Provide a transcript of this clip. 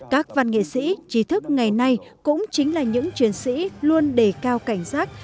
các văn nghệ sĩ trí thức ngày nay cũng chính là những truyền sĩ luôn để cao cảnh giác